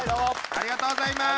ありがとうございます。